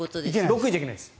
６位じゃ行けないです。